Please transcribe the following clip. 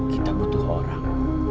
kita butuh orang